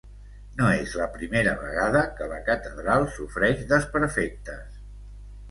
No és la primera vegada que la catedral sofreix desperfectes.